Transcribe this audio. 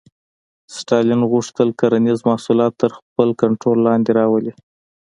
ستالین غوښتل کرنیز محصولات تر خپل کنټرول لاندې راولي